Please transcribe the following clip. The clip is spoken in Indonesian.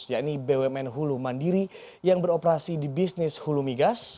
yakni bumn hulu mandiri yang beroperasi di bisnis hulu migas